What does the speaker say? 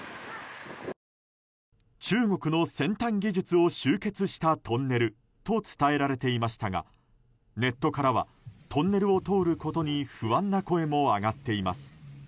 中国の先端技術を集結したトンネルと伝えられていましたがネットからはトンネルを通ることに不安な声も上がっています。